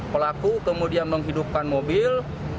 pelaku kemudian menghidupkan mobil